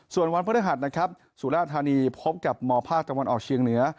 ส่วนวันพฤหัสสุรธานีพบกับมภาคจังหวันออกเชียงเหนือ